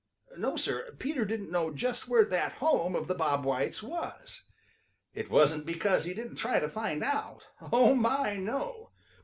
No, Sir, Peter didn't know just where that home of the Bob Whites was. It wasn't because he didn't try to find out. Oh, my, no!